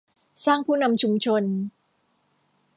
สร้างผู้นำชุมชน